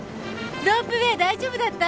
ロープウェー大丈夫だった？